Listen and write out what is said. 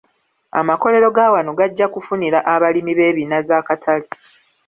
Amakolero ga wano gajja kufunira abalimi b'ebinazi akatale.